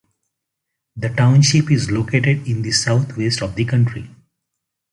The township is located in the southwest of the county.